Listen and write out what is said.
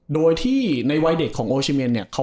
โดยที่ในวัยเด็กของโอชิเมนเนี่ย